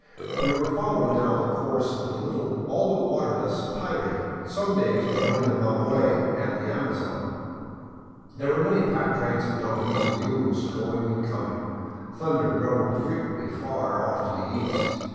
We were following now the course of the little, all but w^aterless, PIray, some day to join the Mamore and the Amazon. There were many pack trains of donkeys and mules going and coming. Thunder grumbled frequently far ofif to the east.